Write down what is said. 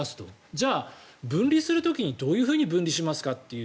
じゃあ分離する時にどういうふうに分離しますかという。